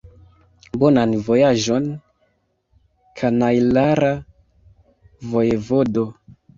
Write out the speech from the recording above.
Bonan vojaĝon, kanajlara vojevodo!